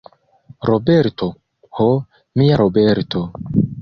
Roberto, ho, mia Roberto!